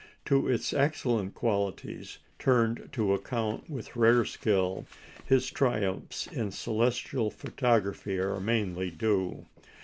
To its excellent qualities turned to account with rare skill, his triumphs in celestial photography are mainly due.